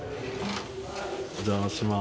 お邪魔します。